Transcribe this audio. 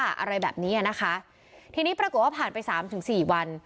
อะไรแบบนี้อ่ะนะคะทีนี้ปรากฏว่าผ่านไปสามถึงสี่วัน